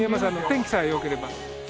天気さえよければ。